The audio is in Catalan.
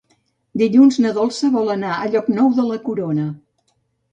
Dilluns na Dolça vol anar a Llocnou de la Corona.